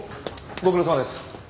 ご苦労さまです。